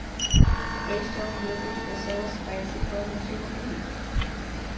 este é um grupo de pessoas participando de uma corrida